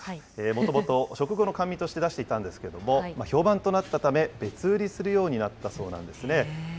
もともと食後の甘味として出していたんですけれども、評判となったため、別売りするようになったそうなんですね。